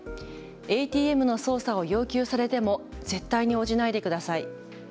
ＡＴＭの操作を要求されても絶対に応じないでください。